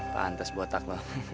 pantes botak lo